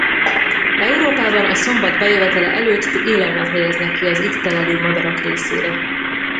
Európában a szombat bejövetele előtt élelmet helyeznek ki az itt telelő madarak részére.